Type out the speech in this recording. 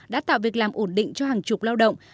đã tạo việc làm ổn định cho hàng chục lao động